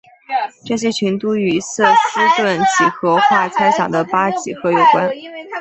这些群都与瑟斯顿几何化猜想的八几何有关。